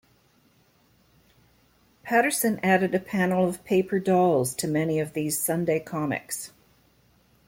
Patterson added a panel of paper dolls to many of these Sunday comics.